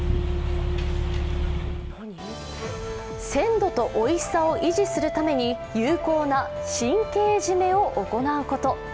鮮度とおいしさを維持するために有効な神経締めを行うこと。